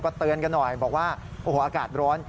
เตือนกันหน่อยบอกว่าโอ้โหอากาศร้อน